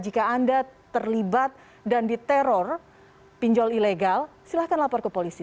jika anda terlibat dan diteror pinjol ilegal silahkan lapor ke polisi